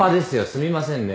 すみませんね。